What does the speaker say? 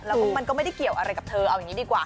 แล้วก็มันก็ไม่ได้เกี่ยวอะไรกับเธอเอาอย่างนี้ดีกว่า